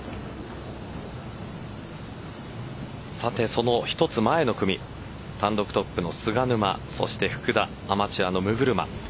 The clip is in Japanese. その１つ前の組単独トップの菅沼そして福田アマチュアの六車